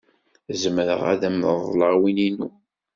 Zemreɣ ad am-reḍleɣ win-inu.